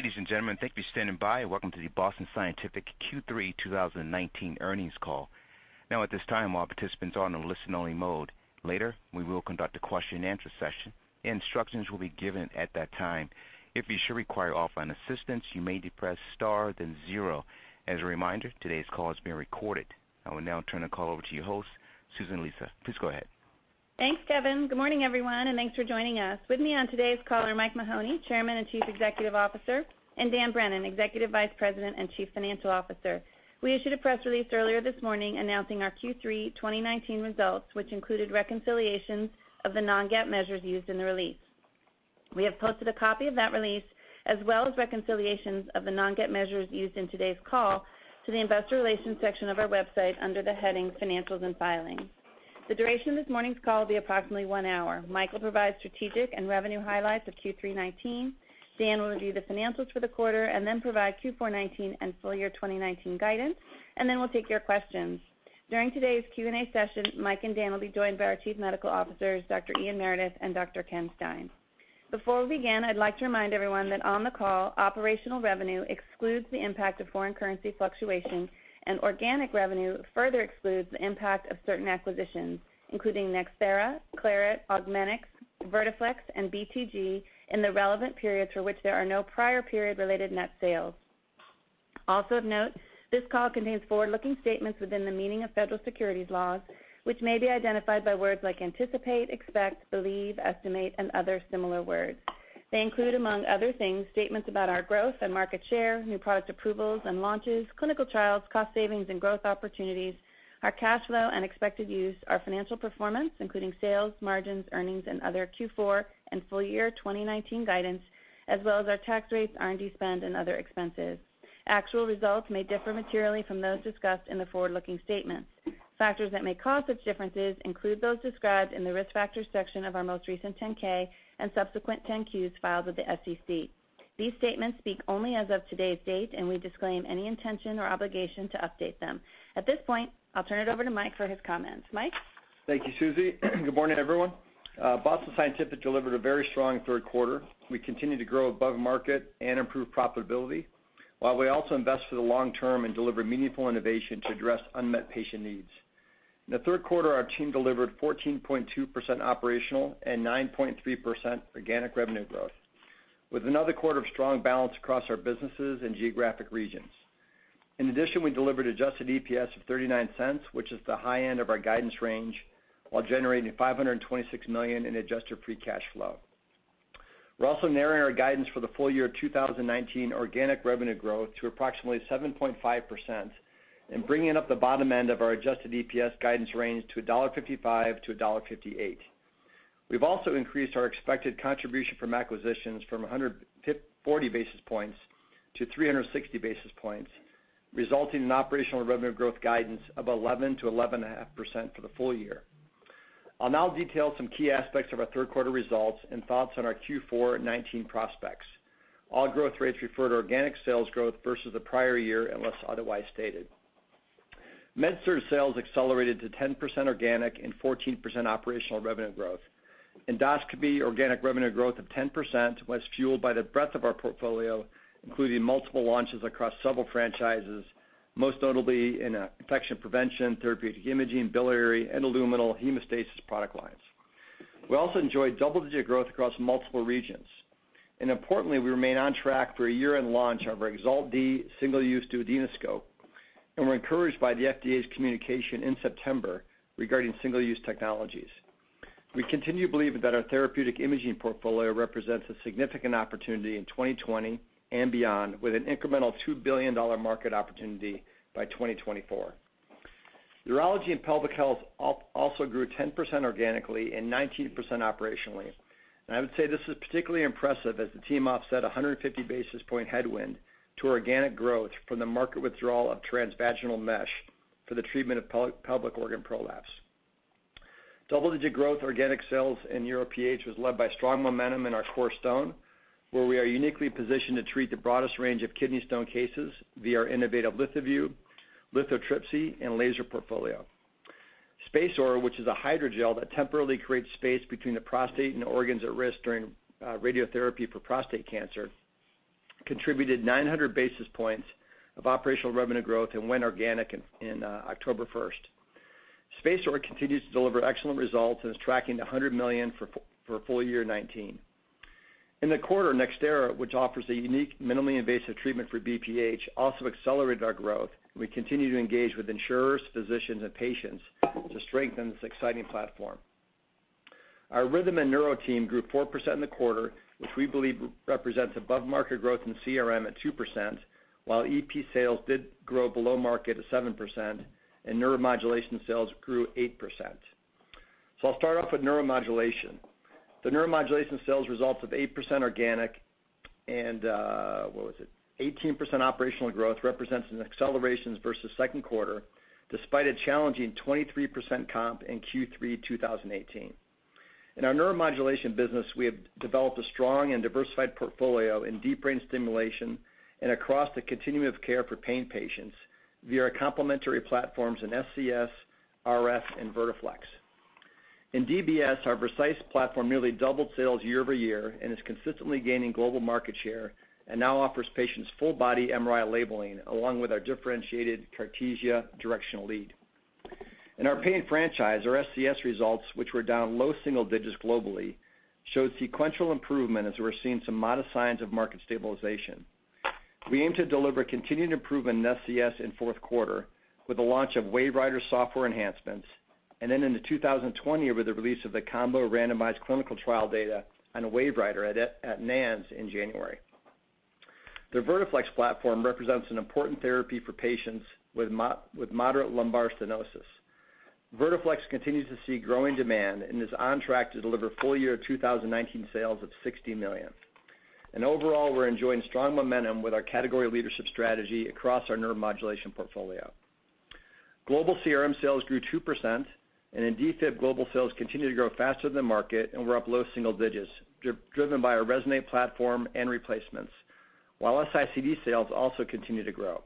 Ladies and gentlemen, thank you for standing by, and welcome to the Boston Scientific Q3 2019 earnings call. At this time, all participants are in a listen-only mode. We will conduct a question and answer session. Instructions will be given at that time. If you should require offline assistance, you may depress star then zero. As a reminder, today's call is being recorded. I will now turn the call over to your host, Susie Lisa. Please go ahead. Thanks, Kevin. Good morning, everyone, and thanks for joining us. With me on today's call are Mike Mahoney, Chairman and Chief Executive Officer, and Dan Brennan, Executive Vice President and Chief Financial Officer. We issued a press release earlier this morning announcing our Q3 2019 results, which included reconciliations of the non-GAAP measures used in the release. We have posted a copy of that release, as well as reconciliations of the non-GAAP measures used in today's call to the investor relations section of our website under the heading Financials and Filings. The duration of this morning's call will be approximately one hour. Mike will provide strategic and revenue highlights of Q3 2019. Dan will review the financials for the quarter and then provide Q4 2019 and full year 2019 guidance, and then we'll take your questions. During today's Q&A session, Mike and Dan will be joined by our chief medical officers, Dr. Ian Meredith and Dr. Ken Stein. Before we begin, I'd like to remind everyone that on the call, operational revenue excludes the impact of foreign currency fluctuation, and organic revenue further excludes the impact of certain acquisitions, including NxThera, Claret, Augmenix, Vertiflex, and BTG, in the relevant periods for which there are no prior period-related net sales. Also of note, this call contains forward-looking statements within the meaning of Federal Securities laws, which may be identified by words like anticipate, expect, believe, estimate, and other similar words. They include, among other things, statements about our growth and market share, new product approvals and launches, clinical trials, cost savings, and growth opportunities, our cash flow and expected use, our financial performance, including sales, margins, earnings, and other Q4 and full year 2019 guidance, as well as our tax rates, R&D spend, and other expenses. Actual results may differ materially from those discussed in the forward-looking statements. Factors that may cause such differences include those described in the Risk Factors section of our most recent 10-K and subsequent 10-Qs filed with the SEC. These statements speak only as of today's date, and we disclaim any intention or obligation to update them. At this point, I'll turn it over to Mike for his comments. Mike? Thank you, Susie. Good morning, everyone. Boston Scientific delivered a very strong third quarter. We continue to grow above market and improve profitability, while we also invest for the long term and deliver meaningful innovation to address unmet patient needs. In the third quarter, our team delivered 14.2% operational and 9.3% organic revenue growth, with another quarter of strong balance across our businesses and geographic regions. We delivered adjusted EPS of $0.39, which is the high end of our guidance range, while generating $526 million in adjusted free cash flow. We are also narrowing our guidance for the full year 2019 organic revenue growth to approximately 7.5% and bringing up the bottom end of our adjusted EPS guidance range to $1.55-$1.58. We've also increased our expected contribution from acquisitions from 140 basis points to 360 basis points, resulting in operational revenue growth guidance of 11%-11.5% for the full year. I'll now detail some key aspects of our third quarter results and thoughts on our Q4 2019 prospects. All growth rates refer to organic sales growth versus the prior year, unless otherwise stated. MedSurg sales accelerated to 10% organic and 14% operational revenue growth. Endoscopy organic revenue growth of 10% was fueled by the breadth of our portfolio, including multiple launches across several franchises, most notably in infection prevention, therapeutic imaging, biliary, and luminal hemostasis product lines. We also enjoyed double-digit growth across multiple regions. Importantly, we remain on track for a year-end launch of our EXALT-D single-use duodenoscope, and we're encouraged by the FDA's communication in September regarding single-use technologies. We continue to believe that our therapeutic imaging portfolio represents a significant opportunity in 2020 and beyond with an incremental $2 billion market opportunity by 2024. Urology and Pelvic Health also grew 10% organically and 19% operationally. I would say this is particularly impressive as the team offset 150 basis point headwind to organic growth from the market withdrawal of transvaginal mesh for the treatment of pelvic organ prolapse. Double-digit growth organic sales in UroPH was led by strong momentum in our core stone, where we are uniquely positioned to treat the broadest range of kidney stone cases via our innovative LithoVue, lithotripsy, and laser portfolio. SpaceOAR, which is a hydrogel that temporarily creates space between the prostate and organs at risk during radiotherapy for prostate cancer, contributed 900 basis points of operational revenue growth and went organic in October 1st. SpaceOAR continues to deliver excellent results and is tracking to $100 million for full year 2019. In the quarter, NxThera, which offers a unique minimally invasive treatment for BPH, also accelerated our growth. We continue to engage with insurers, physicians, and patients to strengthen this exciting platform. Our rhythm and neuro team grew 4% in the quarter, which we believe represents above-market growth in CRM at 2%, while EP sales did grow below market at 7%, and Neuromodulation sales grew 8%. I'll start off with Neuromodulation. The Neuromodulation sales results of 8% organic and, what was it? 18% operational growth represents an acceleration versus second quarter, despite a challenging 23% comp in Q3 2018. In our Neuromodulation business, we have developed a strong and diversified portfolio in deep brain stimulation and across the continuum of care for pain patients via our complementary platforms in SCS, RF, and Vertiflex. In DBS, our Vercise platform nearly doubled sales year-over-year and is consistently gaining global market share and now offers patients full-body MRI labeling, along with our differentiated Cartesia directional lead. In our pain franchise, our SCS results, which were down low single digits globally, showed sequential improvement as we're seeing some modest signs of market stabilization. We aim to deliver continued improvement in SCS in fourth quarter with the launch of WaveWriter software enhancements, and then into 2020 with the release of the COMBO randomized clinical trial data on WaveWriter at NANS in January. The Vertiflex platform represents an important therapy for patients with moderate lumbar stenosis. Vertiflex continues to see growing demand and is on track to deliver full year 2019 sales of $60 million. Overall, we're enjoying strong momentum with our category leadership strategy across our Neuromodulation portfolio. Global CRM sales grew 2%, and in Defib, global sales continue to grow faster than market and were up low single digits, driven by our Resonate platform and replacements, while S-ICD sales also continue to grow.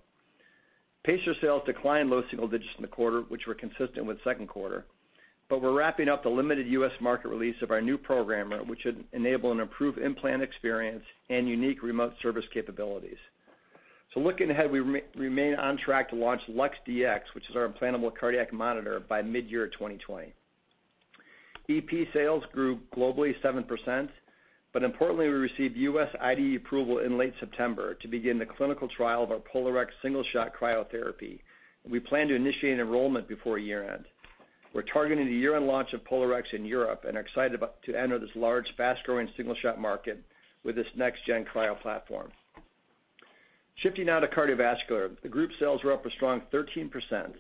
Pacer sales declined low single digits in the quarter, which were consistent with second quarter, but we're wrapping up the limited U.S. market release of our new programmer, which should enable an improved implant experience and unique remote service capabilities. Looking ahead, we remain on track to launch LUX-Dx, which is our implantable cardiac monitor, by midyear 2020. EP sales grew globally 7%. Importantly, we received U.S. IDE approval in late September to begin the clinical trial of our POLARx single-shot cryotherapy. We plan to initiate enrollment before year-end. We're targeting the year-end launch of POLARx in Europe and are excited to enter this large, fast-growing single-shot market with this next-gen cryo platform. Shifting now to cardiovascular. The group sales were up a strong 13%.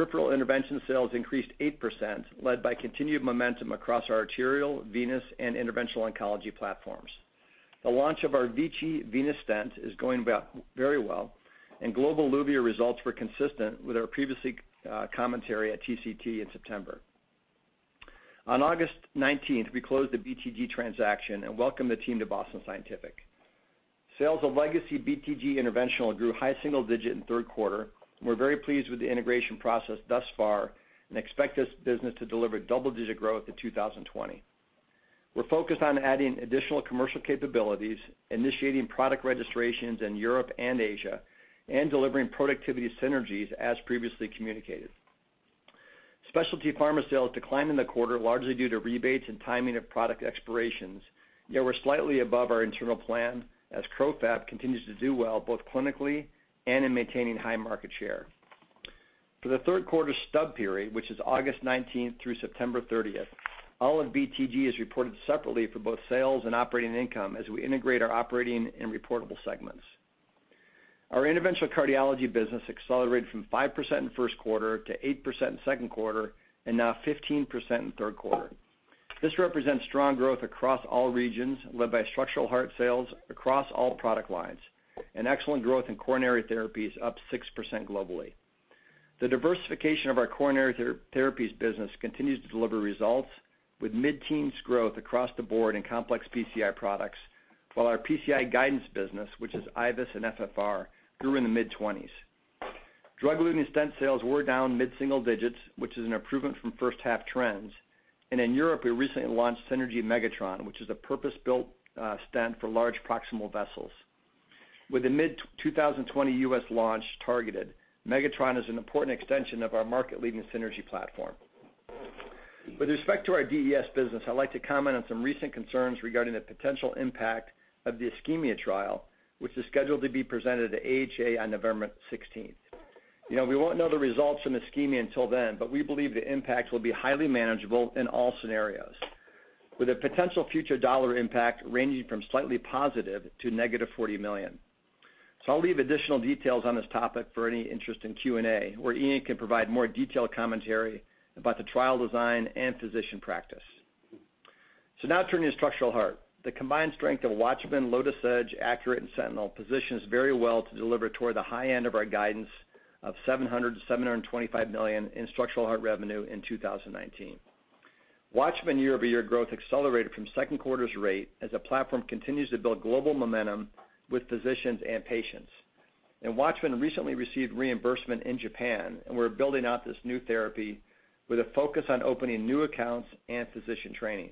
Peripheral intervention sales increased 8%, led by continued momentum across our arterial, venous, and interventional oncology platforms. The launch of our VICI venous stent is going very well, and global ELUVIA results were consistent with our previous commentary at TCT in September. On August 19th, we closed the BTG transaction and welcomed the team to Boston Scientific. Sales of legacy BTG interventional grew high single-digit in third quarter. We're very pleased with the integration process thus far and expect this business to deliver double-digit growth in 2020. We're focused on adding additional commercial capabilities, initiating product registrations in Europe and Asia, and delivering productivity synergies as previously communicated. Specialty pharma sales declined in the quarter, largely due to rebates and timing of product expirations, yet we're slightly above our internal plan as CroFab continues to do well, both clinically and in maintaining high market share. For the third quarter stub period, which is August 19th through September 30th, all of BTG is reported separately for both sales and operating income as we integrate our operating and reportable segments. Our interventional cardiology business accelerated from 5% in first quarter to 8% in second quarter, and now 15% in third quarter. This represents strong growth across all regions, led by structural heart sales across all product lines, excellent growth in coronary therapies up 6% globally. The diversification of our coronary therapies business continues to deliver results, with mid-teens growth across the board in complex PCI products, while our PCI guidance business, which is IVUS and FFR, grew in the mid-20s. Drug-eluting stent sales were down mid-single digits, which is an improvement from first-half trends. In Europe, we recently launched SYNERGY MEGATRON, which is a purpose-built stent for large proximal vessels. With a mid-2020 U.S. launch targeted, Megatron is an important extension of our market-leading SYNERGY platform. With respect to our DES business, I'd like to comment on some recent concerns regarding the potential impact of the ISCHEMIA trial, which is scheduled to be presented at AHA on November 16th. We won't know the results from ISCHEMIA until then. We believe the impact will be highly manageable in all scenarios, with a potential future dollar impact ranging from slightly positive to negative $40 million. I'll leave additional details on this topic for any interest in Q&A, where Ian can provide more detailed commentary about the trial design and physician practice. Now turning to structural heart. The combined strength of WATCHMAN, LOTUS Edge, ACURATE, and SENTINEL positions very well to deliver toward the high end of our guidance of $700 million-$725 million in structural heart revenue in 2019. WATCHMAN year-over-year growth accelerated from second quarter's rate as the platform continues to build global momentum with physicians and patients. WATCHMAN recently received reimbursement in Japan, and we're building out this new therapy with a focus on opening new accounts and physician training.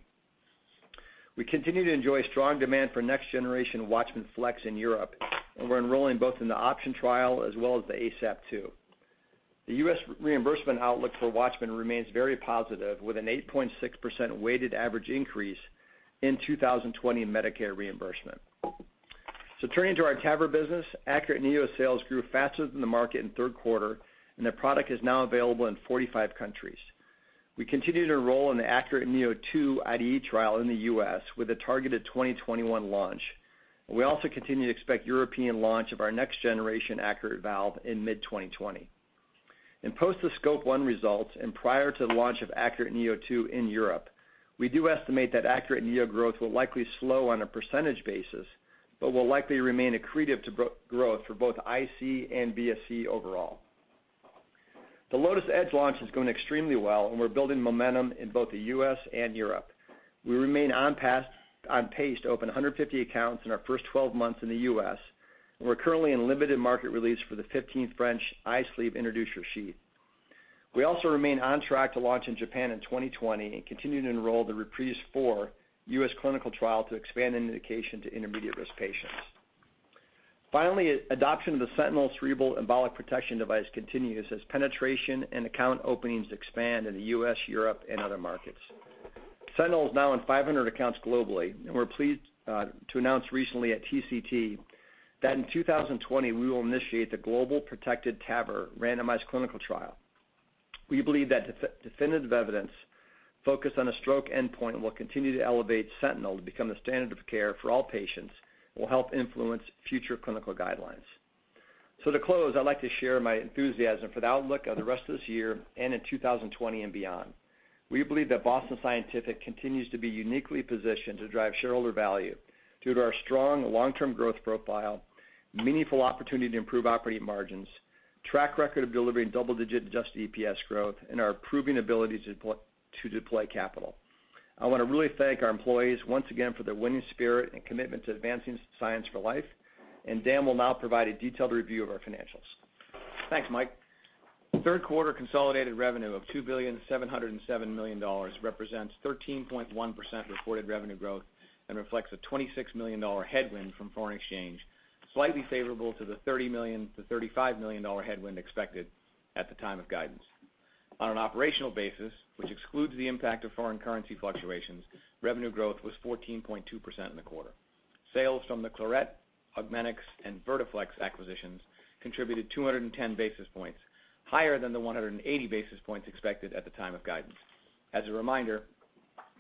We continue to enjoy strong demand for next-generation WATCHMAN FLX in Europe. We're enrolling both in the OPTION trial as well as the ASAP-TOO. The U.S. reimbursement outlook for WATCHMAN remains very positive, with an 8.6% weighted average increase in 2020 Medicare reimbursement. Turning to our TAVR business, ACURATE neo sales grew faster than the market in third quarter. The product is now available in 45 countries. We continue to enroll in the ACURATE neo2 IDE trial in the U.S. with a targeted 2021 launch. We also continue to expect European launch of our next-generation ACURATE valve in mid-2020. Post the SCOPE I results and prior to the launch of ACURATE neo2 in Europe, we do estimate that ACURATE neo growth will likely slow on a percentage basis, but will likely remain accretive to growth for both IC and BSC overall. The LOTUS Edge launch is going extremely well, and we're building momentum in both the U.S. and Europe. We remain on pace to open 150 accounts in our first 12 months in the U.S. We're currently in limited market release for the 15 French iSLEEVE introducer sheath. We also remain on track to launch in Japan in 2020 and continue to enroll the REPRISE IV U.S. clinical trial to expand an indication to intermediate-risk patients. Finally, adoption of the SENTINEL cerebral embolic protection device continues as penetration and account openings expand in the U.S., Europe, and other markets. SENTINEL is now in 500 accounts globally, and we're pleased to announce recently at TCT that in 2020, we will initiate the global PROTECTED TAVR randomized clinical trial. We believe that definitive evidence focused on a stroke endpoint will continue to elevate SENTINEL to become the standard of care for all patients and will help influence future clinical guidelines. To close, I'd like to share my enthusiasm for the outlook of the rest of this year and in 2020 and beyond. We believe that Boston Scientific continues to be uniquely positioned to drive shareholder value due to our strong long-term growth profile, meaningful opportunity to improve operating margins, track record of delivering double-digit adjusted EPS growth, and our proven ability to deploy capital. I want to really thank our employees once again for their winning spirit and commitment to advancing science for life. Dan will now provide a detailed review of our financials. Thanks, Mike. Third quarter consolidated revenue of $2.707 billion represents 13.1% reported revenue growth and reflects a $26 million headwind from foreign exchange, slightly favorable to the $30 million-$35 million headwind expected at the time of guidance. On an operational basis, which excludes the impact of foreign currency fluctuations, revenue growth was 14.2% in the quarter. Sales from the Claret, Augmenix, and Vertiflex acquisitions contributed 210 basis points, higher than the 180 basis points expected at the time of guidance. As a reminder,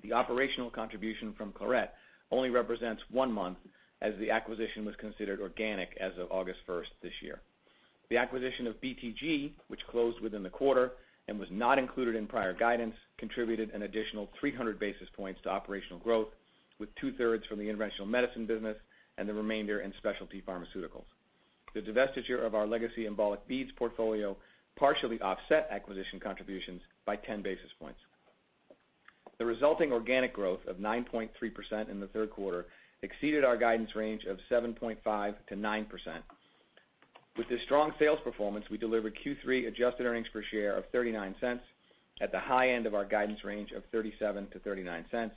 the operational contribution from Claret only represents one month, as the acquisition was considered organic as of August 1st this year. The acquisition of BTG, which closed within the quarter and was not included in prior guidance, contributed an additional 300 basis points to operational growth, with two-thirds from the interventional medicine business and the remainder in specialty pharmaceuticals. The divestiture of our legacy embolic beads portfolio partially offset acquisition contributions by 10 basis points. The resulting organic growth of 9.3% in the third quarter exceeded our guidance range of 7.5%-9%. With this strong sales performance, we delivered Q3 adjusted earnings per share of $0.39 at the high end of our guidance range of $0.37-$0.39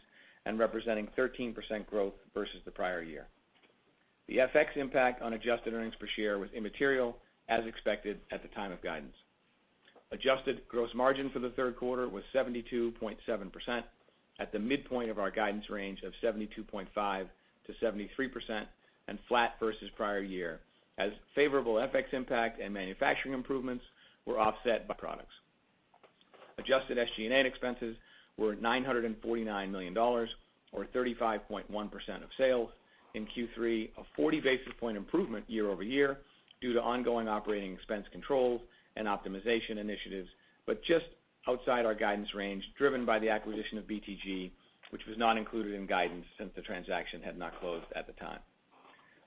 and representing 13% growth versus the prior year. The FX impact on adjusted earnings per share was immaterial as expected at the time of guidance. Adjusted gross margin for the third quarter was 72.7% at the midpoint of our guidance range of 72.5%-73% and flat versus prior year as favorable FX impact and manufacturing improvements were offset by products. Adjusted SG&A expenses were at $949 million, or 35.1% of sales in Q3, a 40-basis point improvement year-over-year due to ongoing operating expense controls and optimization initiatives, just outside our guidance range, driven by the acquisition of BTG, which was not included in guidance since the transaction had not closed at the time.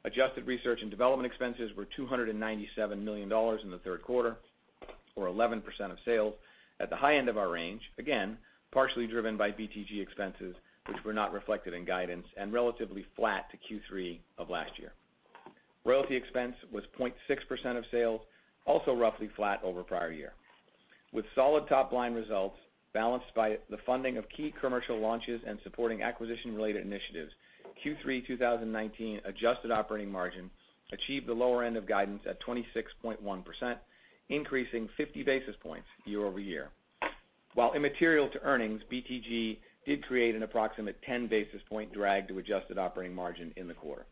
Adjusted research and development expenses were $297 million in the third quarter, or 11% of sales, at the high end of our range, again, partially driven by BTG expenses, which were not reflected in guidance and relatively flat to Q3 of last year. Royalty expense was 0.6% of sales, also roughly flat over prior year. With solid top-line results balanced by the funding of key commercial launches and supporting acquisition-related initiatives, Q3 2019 adjusted operating margin achieved the lower end of guidance at 26.1%, increasing 50 basis points year-over-year. While immaterial to earnings, BTG did create an approximate 10-basis point drag to adjusted operating margin in the quarter.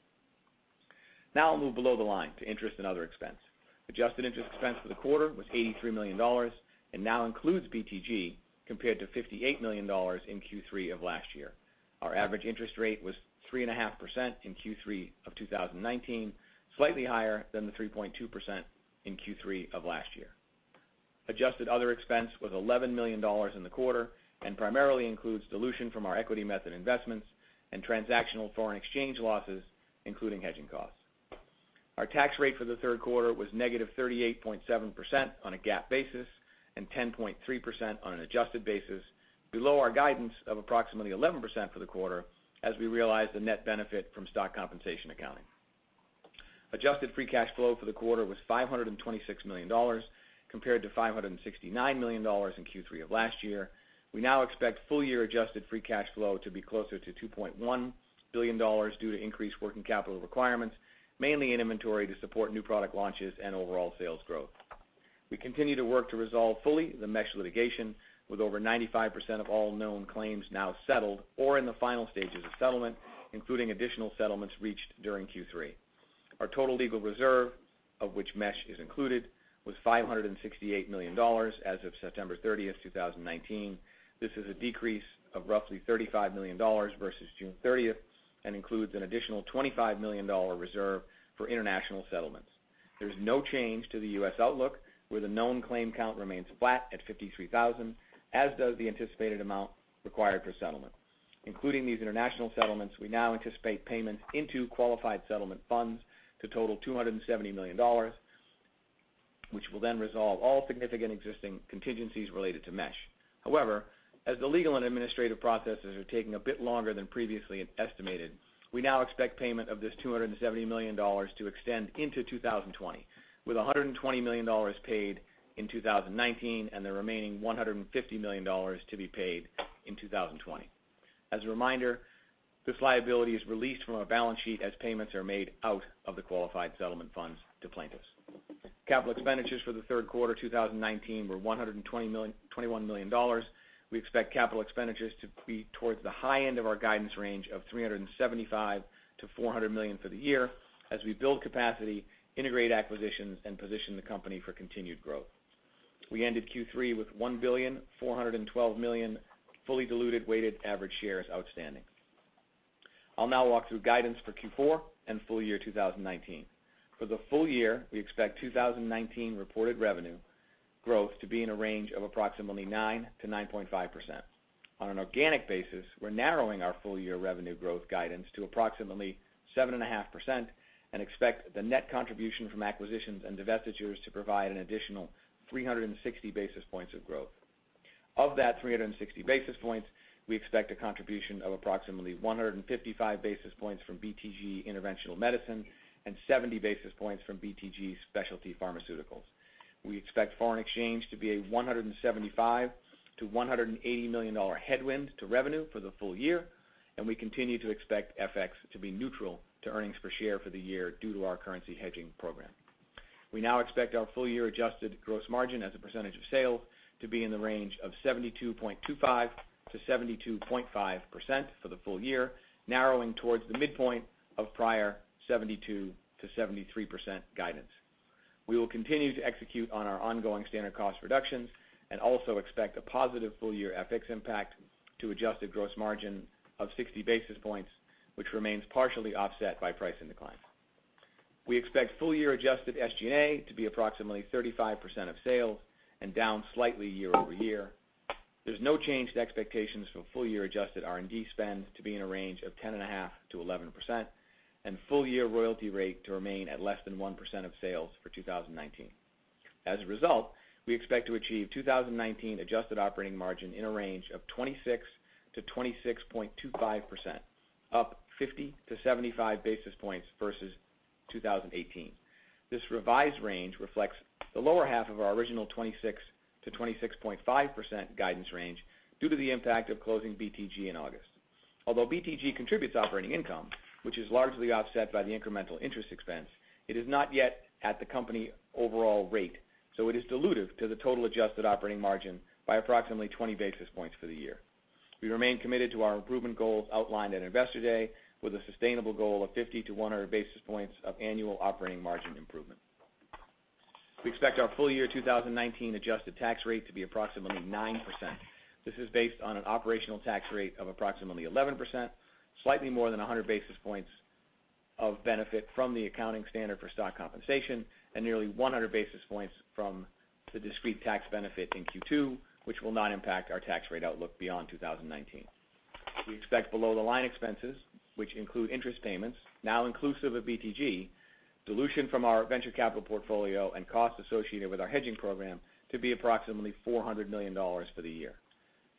I'll move below the line to interest and other expense. Adjusted interest expense for the quarter was $83 million and now includes BTG, compared to $58 million in Q3 of last year. Our average interest rate was 3.5% in Q3 of 2019, slightly higher than the 3.2% in Q3 of last year. Adjusted other expense was $11 million in the quarter and primarily includes dilution from our equity method investments and transactional foreign exchange losses, including hedging costs. Our tax rate for the third quarter was -38.7% on a GAAP basis and 10.3% on an adjusted basis, below our guidance of approximately 11% for the quarter, as we realized the net benefit from stock compensation accounting. Adjusted free cash flow for the quarter was $526 million, compared to $569 million in Q3 of last year. We now expect full-year adjusted free cash flow to be closer to $2.1 billion due to increased working capital requirements, mainly in inventory to support new product launches and overall sales growth. We continue to work to resolve fully the mesh litigation with over 95% of all known claims now settled or in the final stages of settlement, including additional settlements reached during Q3. Our total legal reserve, of which mesh is included, was $568 million as of September 30, 2019. This is a decrease of roughly $35 million versus June 30 and includes an additional $25 million reserve for international settlements. There's no change to the U.S. outlook, where the known claim count remains flat at 53,000, as does the anticipated amount required for settlement. Including these international settlements, we now anticipate payments into qualified settlement funds to total $270 million, which will then resolve all significant existing contingencies related to mesh. However, as the legal and administrative processes are taking a bit longer than previously estimated, we now expect payment of this $270 million to extend into 2020, with $120 million paid in 2019 and the remaining $150 million to be paid in 2020. As a reminder, this liability is released from our balance sheet as payments are made out of the qualified settlement funds to plaintiffs. Capital expenditures for the third quarter 2019 were $121 million. We expect Capital expenditures to be towards the high end of our guidance range of $375 million-$400 million for the year as we build capacity, integrate acquisitions, and position the company for continued growth. We ended Q3 with 1,412,000,000 fully diluted weighted average shares outstanding. I'll now walk through guidance for Q4 and full year 2019. For the full year, we expect 2019 reported revenue growth to be in a range of approximately 9%-9.5%. On an organic basis, we're narrowing our full-year revenue growth guidance to approximately 7.5% and expect the net contribution from acquisitions and divestitures to provide an additional 360 basis points of growth. Of that 360 basis points, we expect a contribution of approximately 155 basis points from BTG Interventional Medicine and 70 basis points from BTG Specialty Pharmaceuticals. We expect foreign exchange to be a $175 million-$180 million headwind to revenue for the full year, and we continue to expect FX to be neutral to earnings per share for the year due to our currency hedging program. We now expect our full-year adjusted gross margin as a percentage of sales to be in the range of 72.25%-72.5% for the full year, narrowing towards the midpoint of prior 72%-73% guidance. We will continue to execute on our ongoing standard cost reductions and also expect a positive full-year FX impact to adjusted gross margin of 60 basis points, which remains partially offset by pricing declines. We expect full-year adjusted SG&A to be approximately 35% of sales and down slightly year-over-year. There's no change to expectations for full-year adjusted R&D spend to be in a range of 10.5%-11%, and full-year royalty rate to remain at less than 1% of sales for 2019. As a result, we expect to achieve 2019 adjusted operating margin in a range of 26%-26.25%, up 50-75 basis points versus 2018. This revised range reflects the lower half of our original 26%-26.5% guidance range due to the impact of closing BTG in August. Although BTG contributes operating income, which is largely offset by the incremental interest expense, it is not yet at the company overall rate, so it is dilutive to the total adjusted operating margin by approximately 20 basis points for the year. We remain committed to our improvement goals outlined at Investor Day with a sustainable goal of 50 to 100 basis points of annual operating margin improvement. We expect our full-year 2019 adjusted tax rate to be approximately 9%. This is based on an operational tax rate of approximately 11%, slightly more than 100 basis points of benefit from the accounting standard for stock compensation, and nearly 100 basis points from the discrete tax benefit in Q2, which will not impact our tax rate outlook beyond 2019. We expect below-the-line expenses, which include interest payments, now inclusive of BTG, dilution from our venture capital portfolio, and costs associated with our hedging program, to be approximately $400 million for the year.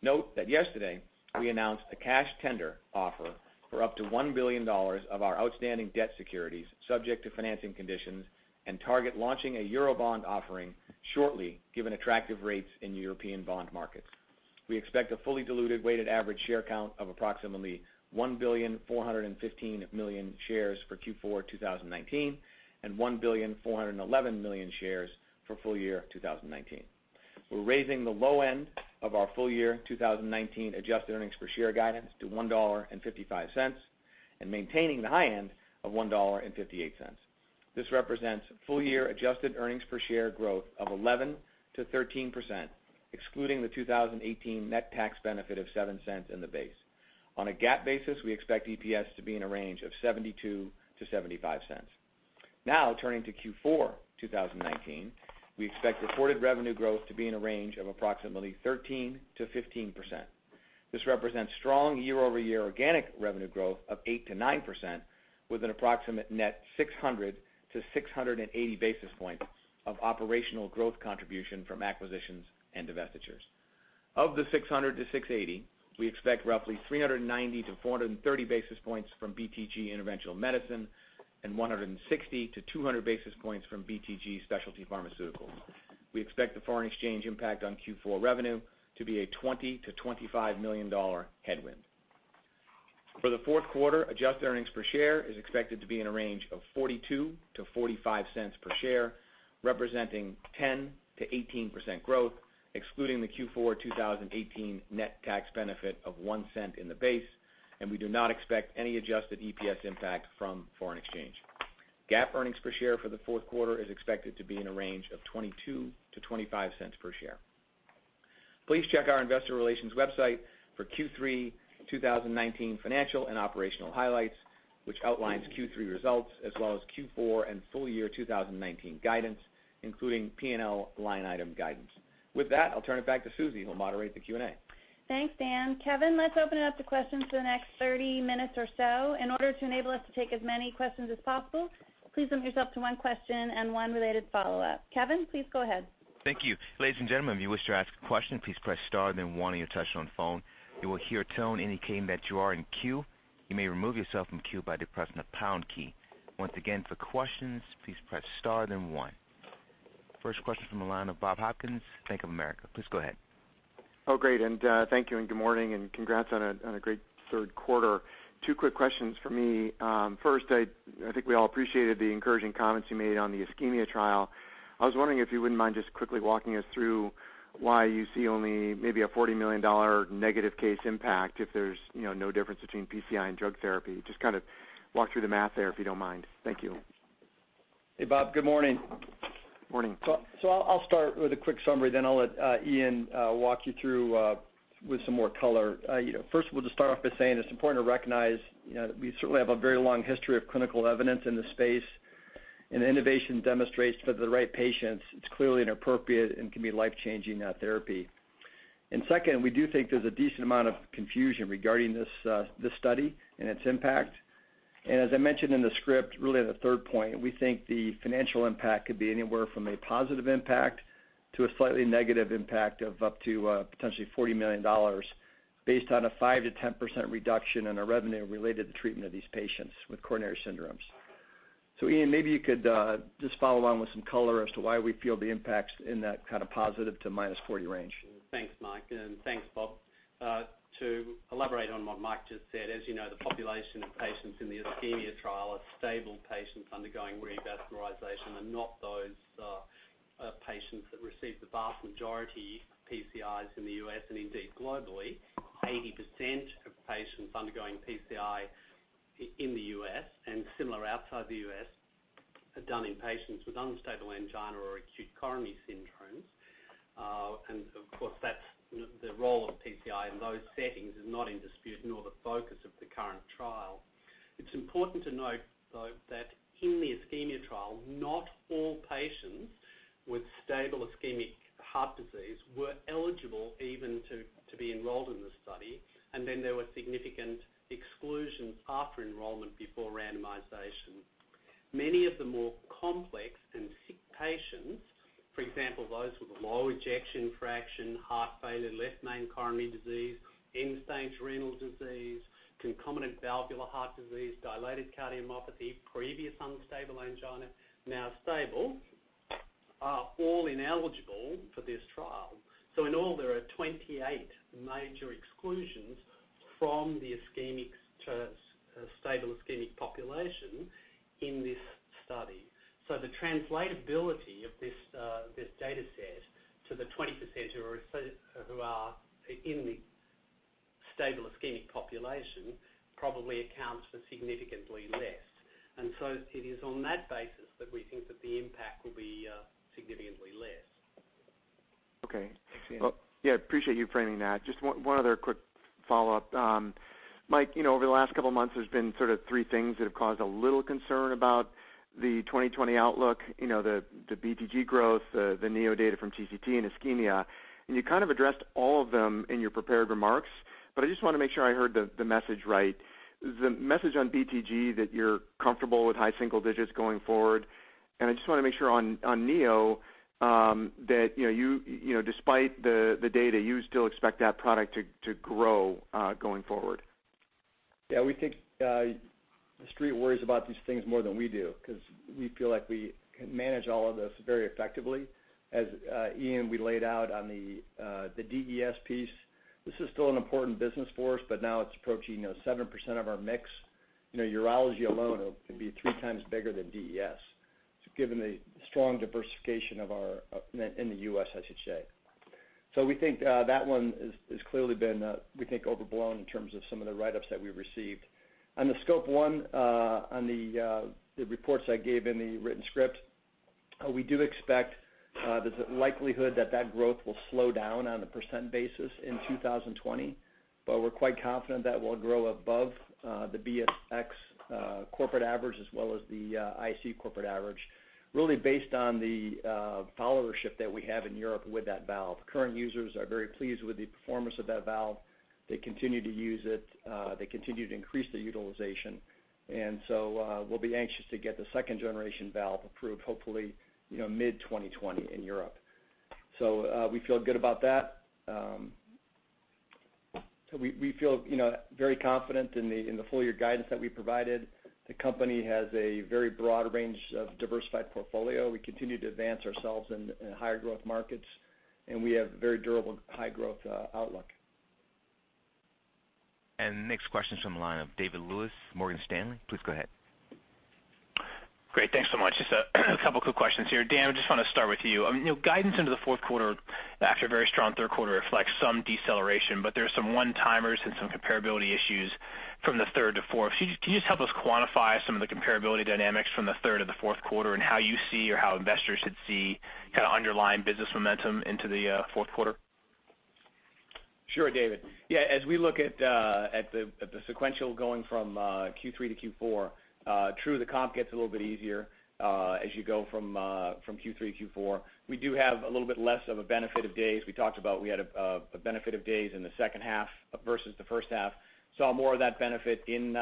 Note that yesterday, we announced a cash tender offer for up to $1 billion of our outstanding debt securities, subject to financing conditions, and target launching a Eurobond offering shortly, given attractive rates in European bond markets. We expect a fully diluted weighted average share count of approximately 1,415,000,000 shares for Q4 2019 and 1,411,000,000 shares for full-year 2019. We're raising the low end of our full-year 2019 adjusted earnings per share guidance to $1.55 and maintaining the high end of $1.58. This represents full-year adjusted earnings per share growth of 11%-13%, excluding the 2018 net tax benefit of $0.07 in the base. On a GAAP basis, we expect EPS to be in a range of $0.72 to $0.75. Turning to Q4 2019, we expect reported revenue growth to be in a range of approximately 13%-15%. This represents strong year-over-year organic revenue growth of 8%-9% with an approximate net 600-680 basis points of operational growth contribution from acquisitions and divestitures. Of the 600-680, we expect roughly 390-430 basis points from BTG Interventional Medicine and 160-200 basis points from BTG Specialty Pharmaceuticals. We expect the foreign exchange impact on Q4 revenue to be a $20 million to $25 million headwind. For the fourth quarter, adjusted earnings per share is expected to be in a range of $0.42 to $0.45 per share, representing 10%-18% growth, excluding the Q4 2018 net tax benefit of $0.01 in the base. We do not expect any adjusted EPS impact from foreign exchange. GAAP earnings per share for the fourth quarter is expected to be in a range of $0.22 to $0.25 per share. Please check our investor relations website for Q3 2019 financial and operational highlights. Which outlines Q3 results as well as Q4 and full year 2019 guidance, including P&L line item guidance. With that, I'll turn it back to Suzy, who will moderate the Q&A. Thanks, Dan. Kevin, let's open it up to questions for the next 30 minutes or so. In order to enable us to take as many questions as possible, please limit yourself to one question and one related follow-up. Kevin, please go ahead. Thank you. Ladies and gentlemen, if you wish to ask a question, please press star then one on your touch tone phone. You will hear a tone indicating that you are in queue. You may remove yourself from queue by depressing the pound key. Once again, for questions, please press star then one. First question from the line of Bob Hopkins, Bank of America. Please go ahead. Oh, great, and thank you, and good morning, and congrats on a great third quarter. Two quick questions from me. First, I think we all appreciated the encouraging comments you made on the ISCHEMIA trial. I was wondering if you wouldn't mind just quickly walking us through why you see only maybe a $40 million negative case impact if there's no difference between PCI and drug therapy. Just kind of walk through the math there, if you don't mind. Thank you. Hey, Bob. Good morning. Morning. I'll start with a quick summary, then I'll let Ian walk you through with some more color. First of all, just start off by saying it's important to recognize, we certainly have a very long history of clinical evidence in this space, and innovation demonstrates for the right patients, it's clearly an appropriate and can be life-changing therapy. Second, we do think there's a decent amount of confusion regarding this study and its impact. As I mentioned in the script, really on the third point, we think the financial impact could be anywhere from a positive impact to a slightly negative impact of up to potentially $40 million based on a 5% to 10% reduction in our revenue related to the treatment of these patients with coronary syndromes. Ian, maybe you could just follow on with some color as to why we feel the impacts in that kind of +40 to -40 range? Thanks, Mike, and thanks, Bob. To elaborate on what Mike just said, as you know the population of patients in the ISCHEMIA trial are stable patients undergoing revascularization and not those patients that receive the vast majority of PCIs in the U.S. and indeed globally. 80% of patients undergoing PCI in the U.S., and similar outside the U.S., are done in patients with unstable angina or acute coronary syndromes. Of course, the role of PCI in those settings is not in dispute, nor the focus of the current trial. It's important to note, though, that in the ISCHEMIA trial, not all patients with stable ischemic heart disease were eligible even to be enrolled in the study. Then there were significant exclusions after enrollment before randomization. Many of the more complex and sick patients, for example, those with a low ejection fraction, heart failure, left main coronary disease, end-stage renal disease, concomitant valvular heart disease, dilated cardiomyopathy, previous unstable angina, now stable, are all ineligible for this trial. In all, there are 28 major exclusions from the stable ischemic population in this study. The translatability of this data set to the 20% who are in the stable ischemic population probably accounts for significantly less. It is on that basis that we think that the impact will be significantly less. Okay. Thanks, Ian. Yeah, appreciate you framing that. Just one other quick follow-up. Mike, over the last couple of months, there's been sort of three things that have caused a little concern about the 2020 outlook, the BTG growth, the Neo data from TCT, and ISCHEMIA. You kind of addressed all of them in your prepared remarks, but I just want to make sure I heard the message right. The message on BTG, that you're comfortable with high single digits going forward. I just want to make sure on Neo that despite the data, you still expect that product to grow going forward. We think The Street worries about these things more than we do because we feel like we can manage all of this very effectively. As Ian relayed out on the DES piece, this is still an important business for us, but now it's approaching 7% of our mix. Urology alone will be three times bigger than DES, given the strong diversification in the U.S., I should say. We think that one has clearly been, we think, overblown in terms of some of the write-ups that we received. On the SCOPE I, on the reports I gave in the written script, we do expect there's a likelihood that growth will slow down on a percent basis in 2020. We're quite confident that we'll grow above the BSX corporate average as well as the IC corporate average, really based on the followership that we have in Europe with that valve. Current users are very pleased with the performance of that valve. They continue to use it. They continue to increase the utilization. We'll be anxious to get the second-generation valve approved, hopefully mid-2020 in Europe. We feel good about that. We feel very confident in the full-year guidance that we provided. The company has a very broad range of diversified portfolio. We continue to advance ourselves in higher growth markets, and we have a very durable high growth outlook. Next question's from the line of David Lewis, Morgan Stanley. Please go ahead. Great, thanks so much. Just a couple quick questions here. Dan, I just want to start with you. Guidance into the fourth quarter after a very strong third quarter reflects some deceleration, but there are some one-timers and some comparability issues from the third to fourth. Can you just help us quantify some of the comparability dynamics from the third to the fourth quarter and how you see or how investors should see kind of underlying business momentum into the fourth quarter? Sure, David. As we look at the sequential going from Q3 to Q4, true, the comp gets a little bit easier as you go from Q3 to Q4. We do have a little bit less of a benefit of days. We talked about how we had a benefit of days in the second half versus the first half. Saw more of that benefit in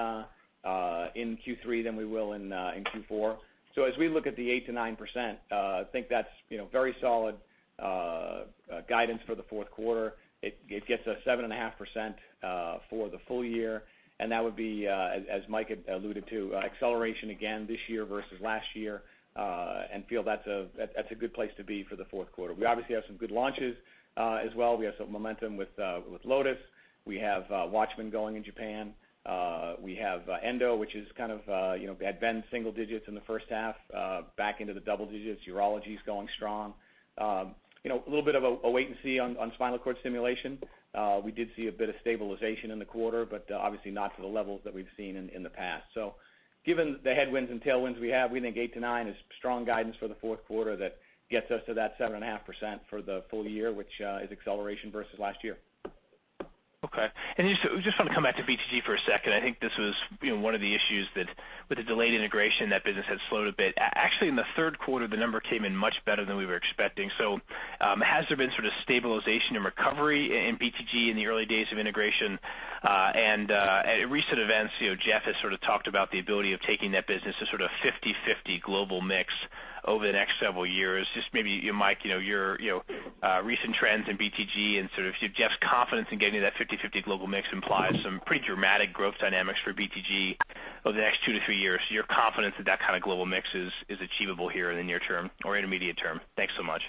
Q3 than we will in Q4. As we look at the 8%-9%, I think that's very solid guidance for the fourth quarter. It gets us 7.5% for the full year, and that would be, as Mike had alluded to, an acceleration again this year versus last year and feel that's a good place to be for the fourth quarter. We obviously have some good launches as well. We have some momentum with LOTUS. We have WATCHMAN going in Japan. We have Endo, which had been single digits in the first half back into the double digits. Urology is going strong. A little bit of a wait and see on spinal cord stimulation. We did see a bit of stabilization in the quarter, obviously not to the levels that we've seen in the past. Given the headwinds and tailwinds we have, we think 8%-9% is strong guidance for the fourth quarter that gets us to that 7.5% for the full year, which is an acceleration versus last year. Okay. I just want to come back to BTG for a second. I think this was one of the issues that with the delayed integration, that business had slowed a bit. Actually, in the third quarter, the number came in much better than we were expecting. Has there been sort of stabilization and recovery in BTG in the early days of integration? At recent events, Jeff has sort of talked about the ability of taking that business to sort of 50/50 global mix over the next several years. Just maybe you, Mike, your recent trends in BTG and sort of Jeff's confidence in getting to that 50/50 global mix implies some pretty dramatic growth dynamics for BTG over the next two to three years. Your confidence that that kind of global mix is achievable here in the near term or intermediate term? Thanks so much.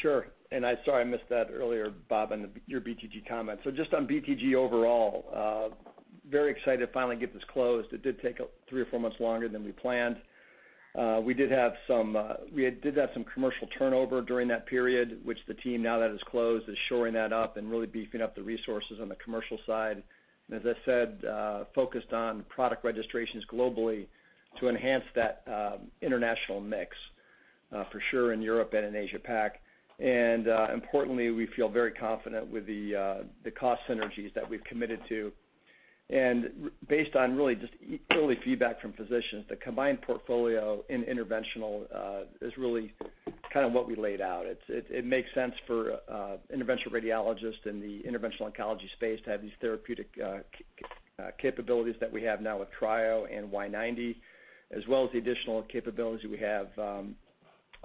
Sure, sorry, I missed that earlier, Bob, your BTG comments. Just on BTG overall, very excited to finally get this closed. It did take three or four months longer than we planned. We did have some commercial turnover during that period, which the team now that is closed, is shoring that up and really beefing up the resources on the commercial side. As I said, focused on product registrations globally to enhance that international mix, for sure in Europe and in Asia-Pac. Importantly, we feel very confident with the cost synergies that we've committed to. Based on really just early feedback from physicians, the combined portfolio in interventional is really kind of what we laid out. It makes sense for interventional radiologists in the interventional oncology space to have these therapeutic capabilities that we have now with Trio and Y-90, as well as the additional capability we have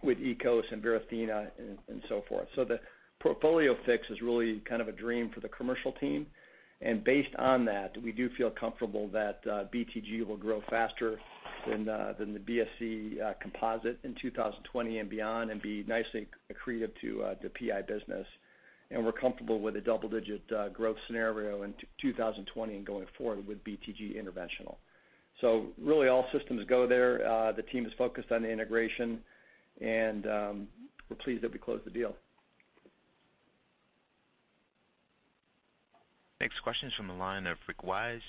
with EKOS and Varithena and so forth. The portfolio fix is really kind of a dream for the commercial team. Based on that, we do feel comfortable that BTG will grow faster than the BSC composite in 2020 and beyond and be nicely accretive to the PI business. We're comfortable with a double-digit growth scenario in 2020 and going forward with BTG Interventional. Really all systems go there. The team is focused on the integration, and we're pleased that we closed the deal. Next question is from the line of Rick Wise,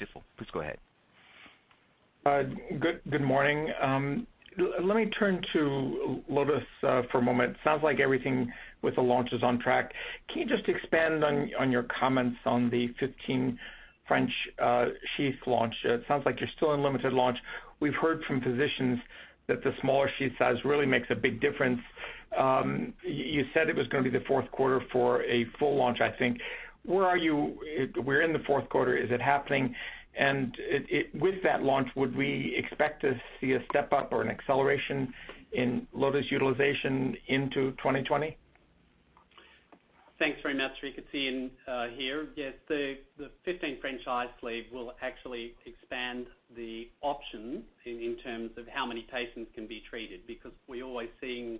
Stifel. Please go ahead. Good morning. Let me turn to Lotus for a moment. Sounds like everything with the launch is on track. Can you just expand on your comments on the 15 French sheath launch? It sounds like you're still in limited launch. We've heard from physicians that the smaller sheath size really makes a big difference. You said it was going to be the fourth quarter for a full launch, I think. We're in the fourth quarter. Is it happening? With that launch, would we expect to see a step-up or an acceleration in Lotus utilization into 2020? Thanks very much, Rick. It's Ian here. Yes, the 15 French iSLEEVE will actually expand the options in terms of how many patients can be treated, because we're always seeing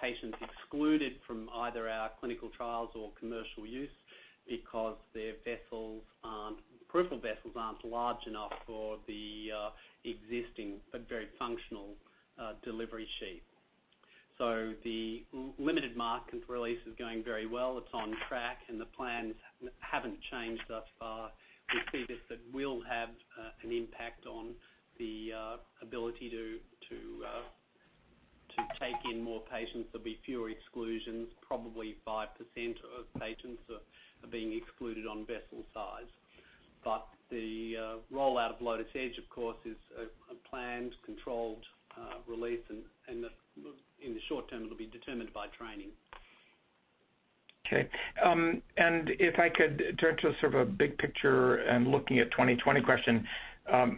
patients excluded from either our clinical trials or commercial use because their peripheral vessels aren't large enough for the existing, but very functional, delivery sheath. The limited market release is going very well. It's on track, and the plans haven't changed thus far. We see this will have an impact on the ability to take in more patients. There'll be fewer exclusions, probably 5% of patients are being excluded on vessel size. The rollout of LOTUS Edge, of course, is a planned, controlled release, and in the short term, it'll be determined by training. Okay. If I could turn to sort of a big picture and looking at 2020 question.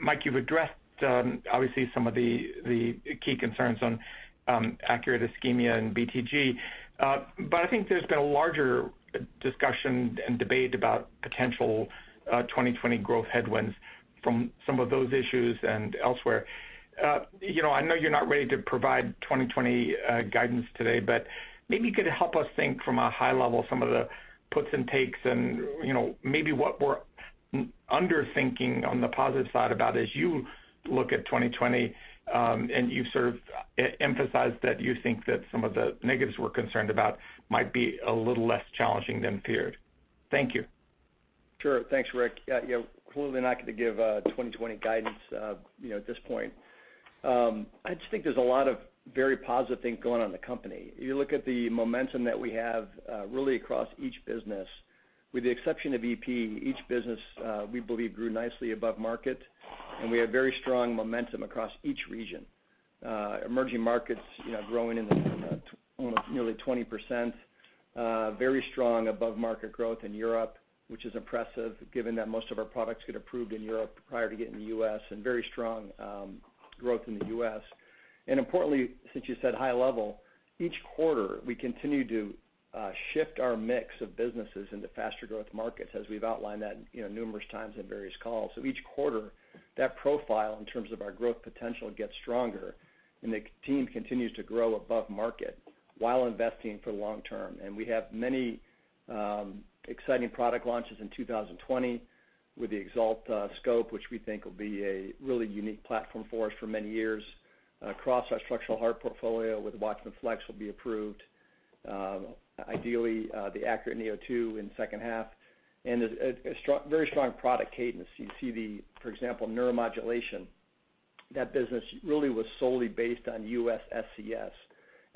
Mike, you've addressed, obviously, some of the key concerns on ACURATE ISCHEMIA and BTG. I think there's been a larger discussion and debate about potential 2020 growth headwinds from some of those issues and elsewhere. I know you're not ready to provide 2020 guidance today, but maybe you could help us think from a high level some of the puts and takes and maybe what we're under-thinking on the positive side about as you look at 2020, and you've sort of emphasized that you think that some of the negatives we're concerned about might be a little less challenging than feared. Thank you. Sure. Thanks, Rick. Yeah, clearly not going to give 2020 guidance at this point. I just think there's a lot of very positive things going on in the company. You look at the momentum that we have really across each business. With the exception of EP, each business, we believe grew nicely above market. We have very strong momentum across each region. Emerging markets, growing in the almost nearly 20%. Very strong above-market growth in Europe, which is impressive given that most of our products get approved in Europe prior to getting in the U.S. Very strong growth in the U.S. Importantly, since you said high level, each quarter, we continue to shift our mix of businesses into faster growth markets as we've outlined that numerous times in various calls. Each quarter, that profile, in terms of our growth potential, gets stronger, and the team continues to grow above market while investing for the long term. We have many exciting product launches in 2020 with the EXALT scope, which we think will be a really unique platform for us for many years. Across our structural heart portfolio with the WATCHMAN FLX will be approved. Ideally, the ACURATE neo2 in second half. A very strong product cadence. You see the, for example, Neuromodulation. That business really was solely based on U.S. SCS.